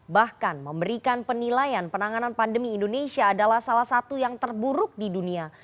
bahkan memberikan penilaian penanganan pandemi indonesia adalah salah satu yang terburuk di dunia